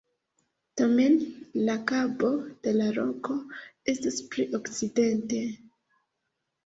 Tamen, la Kabo de la Roko estas pli okcidente.